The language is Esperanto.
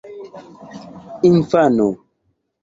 infano